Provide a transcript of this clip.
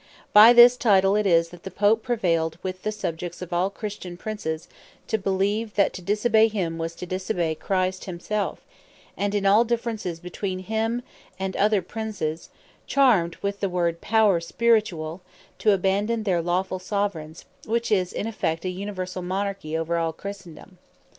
By this title it is, that the Pope prevailed with the subjects of all Christian Princes, to beleeve, that to disobey him, was to disobey Christ himselfe; and in all differences between him and other Princes, (charmed with the word Power Spirituall,) to abandon their lawfull Soveraigns; which is in effect an universall Monarchy over all Christendome.